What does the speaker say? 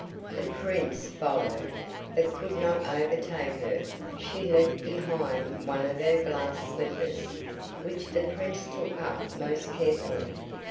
The Prince followed, but could not overtake her. She left behind one of her glass slippers, which the Prince took up most carefully.